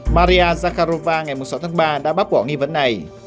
maria zakharova ngày một mươi sáu tháng ba đã bắp bỏ nghi vấn này